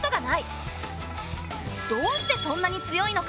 どうしてそんなに強いのか。